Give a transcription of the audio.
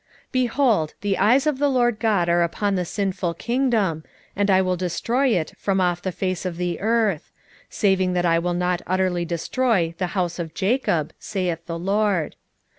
9:8 Behold, the eyes of the Lord GOD are upon the sinful kingdom, and I will destroy it from off the face of the earth; saving that I will not utterly destroy the house of Jacob, saith the LORD.